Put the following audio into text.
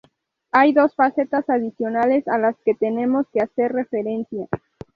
Hay dos facetas adicionales a las que tenemos que hacer referencia.